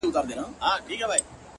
پسله کلونو چي پر ځان بدگمانې کړې ده”